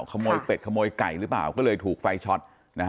ขโมยเป็ดขโมยไก่หรือเปล่าก็เลยถูกไฟช็อต